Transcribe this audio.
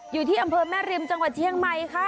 อยู่ที่อำเภอแม่ริมจังหวัดเชียงใหม่ค่ะ